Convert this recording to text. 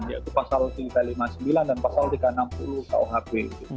yaitu pasal tiga ratus lima puluh sembilan dan pasal tiga ratus enam puluh kuhp